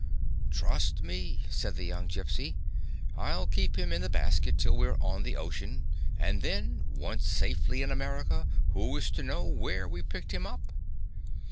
" Trust me," said the young Gypsy. " I 'll keep him in the basket till we 're on the ocean, and then, once safely in America, who is to know where we picked him up?"